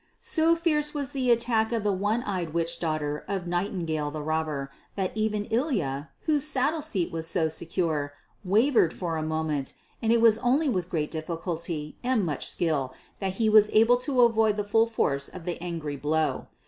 So fierce was the attack of the one eyed witch daughter of Nightingale the Robber, that even Ilya, whose saddle seat was so secure, wavered for a moment, and it was only with great difficulty and much skill that he was able to avoid the full force of the angry blow.